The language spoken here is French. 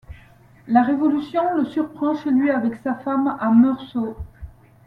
La Révolution, le surprend chez lui avec sa femme à Meursault.